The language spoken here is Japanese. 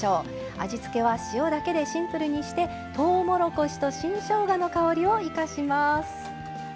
味付けは塩だけでシンプルにしてとうもろこしと新しょうがの香りを生かします。